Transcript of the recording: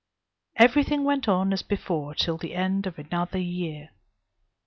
Every thing went on as before, till the end of another year.